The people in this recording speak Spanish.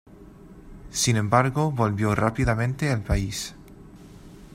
Sin embargo volvió rápidamente el país.